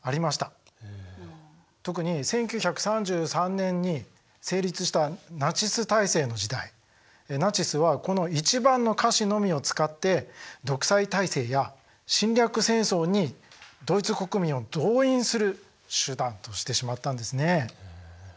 特に１９３３年に成立したナチス体制の時代ナチスはこの１番の歌詞のみを使って独裁体制や侵略戦争にドイツ国民を動員する手段としてしまったんですね。